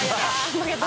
負けた。